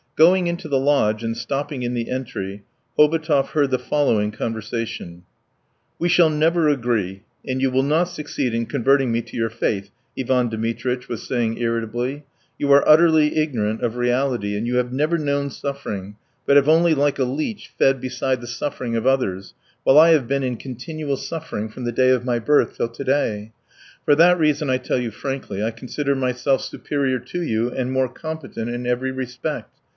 Going into the lodge and stopping in the entry, Hobotov heard the following conversation: "We shall never agree, and you will not succeed in converting me to your faith," Ivan Dmitritch was saying irritably; "you are utterly ignorant of reality, and you have never known suffering, but have only like a leech fed beside the sufferings of others, while I have been in continual suffering from the day of my birth till to day. For that reason, I tell you frankly, I consider myself superior to you and more competent in every respect.